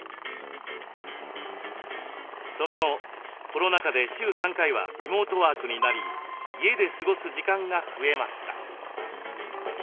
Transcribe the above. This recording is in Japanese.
その後コロナ禍で週３回はリモートワークになり家で過ごす時間が増えました。